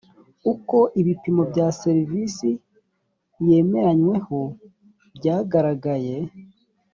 uko ibipimo bya serivisi yemeranyweho byagaragaye